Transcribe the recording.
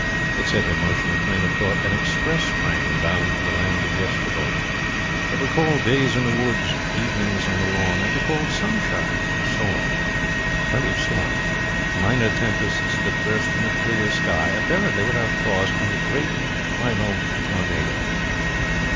It set in motion a train of thought an express train bound for the Land of Yesterday. It recalled days in the woods, evenings on the lawn. It recalled sunshine storm. Plenty of storm. Minor tempests that burst from a clear sky, apparently without cause, and the great final tornado.